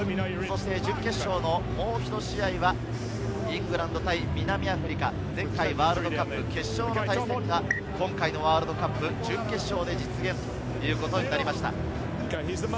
準決勝のもう１つの試合は、イングランド対南アフリカ、前回ワールドカップ決勝の対戦が今回のワールドカップ準決勝で実現ということになりました。